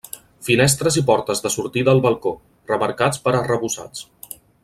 Finestres i portes de sortida al balcó, remarcats per arrebossats.